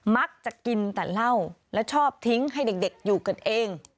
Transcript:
มักจะกินแต่เหล้าและชอบทิ้งให้เด็กอยู่กันเอง